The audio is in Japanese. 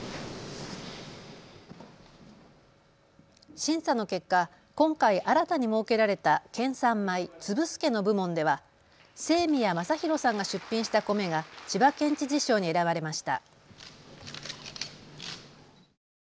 審査の結果、今回新たに設けられた県産米、粒すけの部門では清宮正裕さんが出品した米が千葉県知事賞に選ばれました。